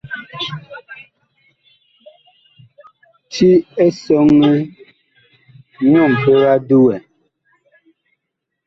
Ti Esɔŋɛ nyu mpeg a duwɛ.